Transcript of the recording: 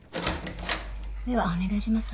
ではお願いします。